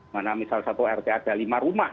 mana misal satu rt ada lima rumah